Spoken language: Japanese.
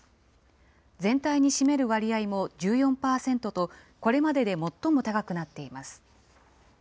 全体に占める割合も１４％と、これまでで最も高くなっています。